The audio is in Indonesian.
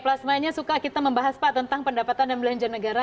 pemirsa pemirsa semuanya suka kita membahas pak tentang pendapatan dan belanja negara